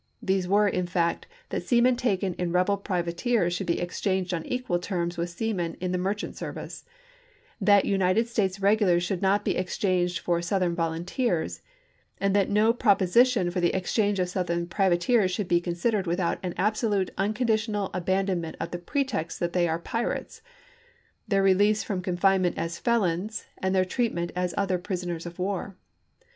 These were, in effect, that seamen taken in rebel privateers should be exchanged on equal terms with seamen in the merchant service ; that United States regulars should not be exchanged for South ern volunteers ; and that no proposition for the exchange of Southern privateers should be consid ered without " an absolute, unconditional abandon Benjamin ment of the pretext that they are pirates," their to General ,« n .„,■,,. Huger, release irom confinement as ielons, and their Jan • 23 1862. ' treatment as other prisoners of war.